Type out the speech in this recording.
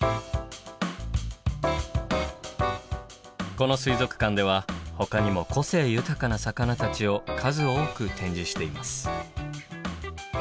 この水族館ではほかにも個性豊かな魚たちを数多く展示しています。